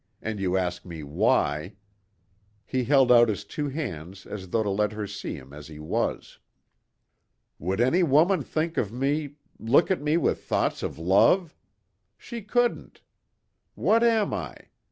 And you ask me why." He held out his two hands as though to let her see him as he was. "Would any woman think of me look at me with thoughts of love? She couldn't. What am I?